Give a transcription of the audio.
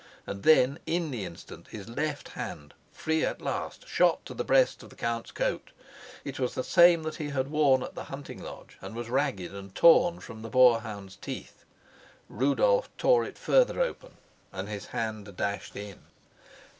And then, in the instant, his left hand, free at last, shot to the breast of the count's coat. It was the same that he had worn at the hunting lodge, and was ragged and torn from the boar hound's teeth. Rudolf tore it further open, and his hand dashed in.